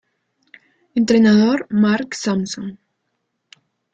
Entrenador: Mark Sampson